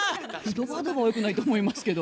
ドバドバはよくないと思いますけど。